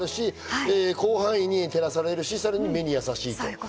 広範囲に照らされるし、さらに目にやさしい。